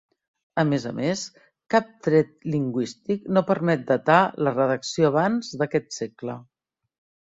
A més a més, cap tret lingüístic no permet datar la redacció abans d'aquest segle.